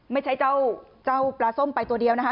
ไม่ใช่เจ้าปลาส้มไปตัวเดียวนะคะ